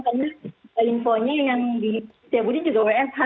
karena infonya yang di jabudi juga wfh nih world home home